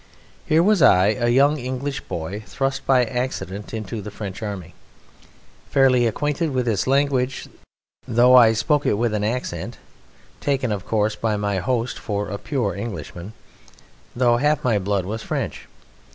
Here was I, a young English boy, thrust by accident into the French army. Fairly acquainted with its language, though I spoke it with an accent; taken (of course) by my host for a pure Englishman, though half my blood was French.